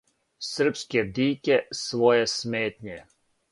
Српске дике, своје сметње.